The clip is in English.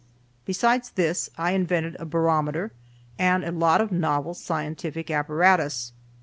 Besides this I invented a barometer and a lot of novel scientific apparatus.